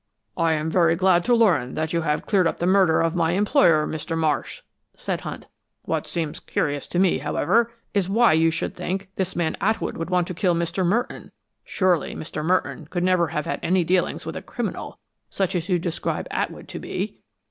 "I am very glad to learn that you have cleared up the murder of my employer, Mr. Marsh," said Hunt. "What seems curious to me, however, is why you should think this man Atwood would want to kill Mr. Merton. Surely Mr. Merton could never have had any dealings with a criminal such as you describe Atwood to be."